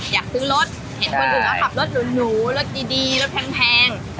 อยากซื้อรถเห็นคนอื่นขับรถหรูรถดีรถแพง